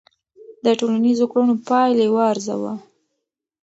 د ټولنیزو کړنو پایلې وارزوه.